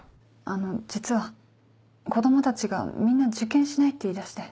あの実は子供たちがみんな受験しないって言い出して。